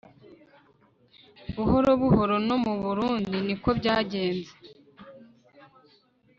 buhoro buhoro. no mu burundi ni ko byagenze